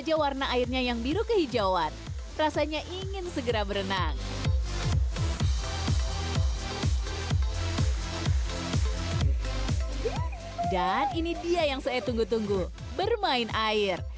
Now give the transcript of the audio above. dan ini dia yang saya tunggu tunggu bermain air